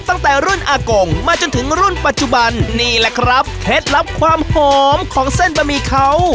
ตั้งแต่รุ่นอากงมาจนถึงรุ่นปัจจุบันนี่แหละครับเคล็ดลับความหอมของเส้นบะหมี่เขา